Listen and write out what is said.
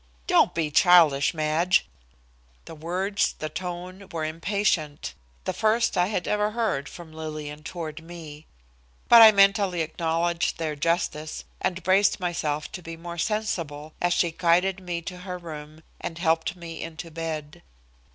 "Don't be childish, Madge." The words, the tone, were impatient, the first I had ever heard from Lillian toward me. But I mentally acknowledged their justice and braced myself to be more sensible, as she guided me to her room, and helped me into bed.